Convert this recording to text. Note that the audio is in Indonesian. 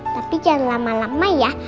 tapi jangan lama lama ya